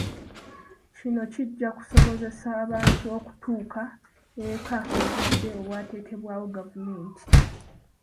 Kino kijja kusobozese abantu okutuuka eka mu budde obwateekebwawo gavumenti.